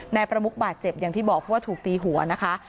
นายประมุกบาดเจ็บอย่างที่บอกเพราะว่าถูกตีหัวนะคะ